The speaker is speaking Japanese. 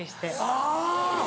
あぁ。